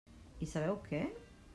I sabeu què?